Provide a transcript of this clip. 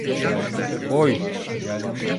Oy!